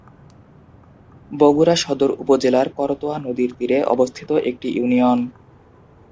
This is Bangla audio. বগুড়া সদর উপজেলার করতোয়া নদীর তীরে অবস্থিত একটি ইউনিয়ন।